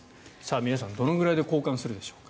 皆さんどれくらいで交換するでしょう。